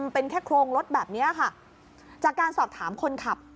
เป็นแค่โครงรถแบบนี้ค่ะจากการสอบถามคนขับ